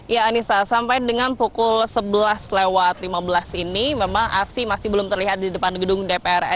ya anissa sampai dengan pukul sebelas lewat lima belas ini memang aksi masih belum terlihat di depan gedung dpr